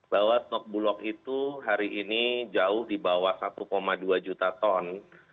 bahwa stok bulog itu hari ini jauh di bawah satu dua juta ton